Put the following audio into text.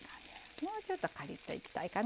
もうちょっとカリッといきたいかな。